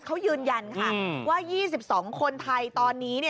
เขายืนยันค่ะว่า๒๒คนไทย